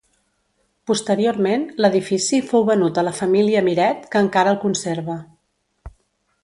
Posteriorment, l'edifici fou venut a la família Miret que encara el conserva.